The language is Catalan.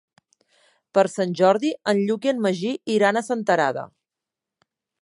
Per Sant Jordi en Lluc i en Magí iran a Senterada.